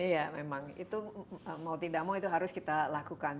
iya memang itu mau tidak mau itu harus kita lakukan